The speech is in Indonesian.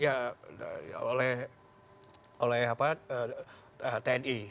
ya oleh tni